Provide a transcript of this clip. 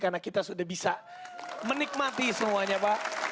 karena kita sudah bisa menikmati semuanya pak